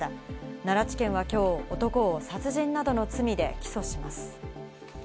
奈良地検は今日、男を殺人などの罪で起訴します。